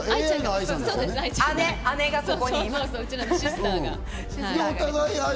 姉がここにいます。